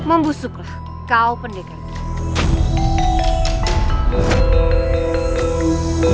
aku percaya padamu